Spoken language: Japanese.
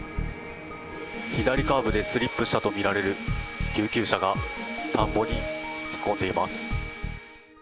左カーブでスリップしたとみられる救急車が田んぼに突っ込んでいます。